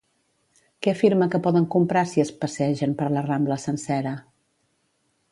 Què afirma que poden comprar si es passegen per la Rambla sencera?